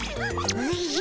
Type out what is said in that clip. おじゃ。